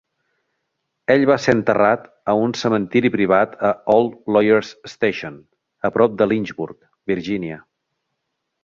Ell va ser enterrat a un cementiri privat a Old Lawyers Station, a prop de Lynchburg, Virgínia.